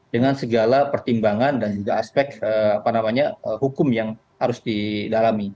dengan segala pertimbangan dan juga aspek hukum yang harus didalami